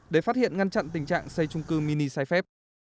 để phát hiện ngăn chặn tình trạng xây trung cư mini sai phép